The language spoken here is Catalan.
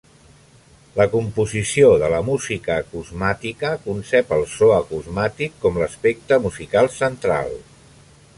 La composició de la música acusmàtica concep el so acusmàtic com l'aspecte musical central.